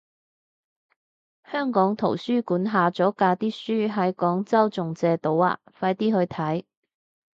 香港圖書館下咗架啲書喺廣州仲借到啊，快啲去睇